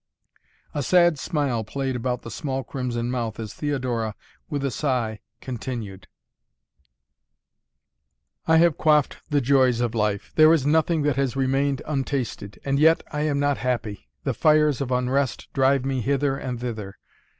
A sad smile played about the small crimson mouth as Theodora, with a sigh, continued: "I have quaffed the joys of life. There is nothing that has remained untasted. And yet I am not happy. The fires of unrest drive me hither and thither.